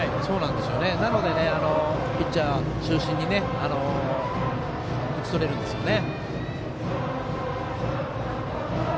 なので、ピッチャー中心に打ち取れるんですよね。